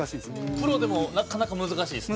プロでもなかなか難しいですね。